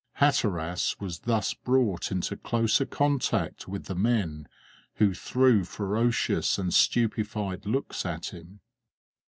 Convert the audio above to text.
Hatteras was thus brought into closer contact with the men, who threw ferocious and stupefied looks at him.